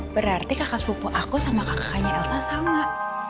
berarti kakak sepupu aku sama kakaknya elsa sama